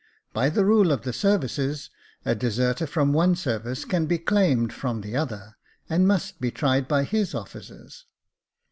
By the rule of the services, a deserter from one service can be clained from the other, and must be tried by his officers.